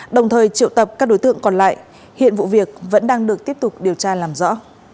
đồng thời triệu tập các đối tượng còn lại hiện vụ việc vẫn đang được tiếp tục điều tra làm rõ